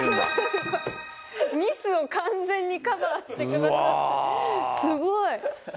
すごい！